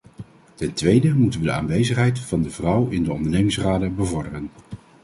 Ten tweede moeten we de aanwezigheid van de vrouw in de ondernemingsraden bevorderen.